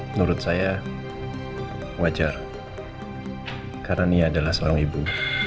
menurut saya wajar karena dia adalah seorang ibu